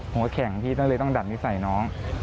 ผมก็แข่งพี่ตั้งเลยต้องดัดนิสัยน้อง